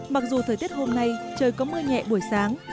mặc dù thời tiết hôm nay trời có mưa nhẹ buổi sáng